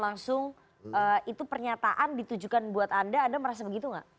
langsung itu pernyataan ditujukan buat anda anda merasa begitu nggak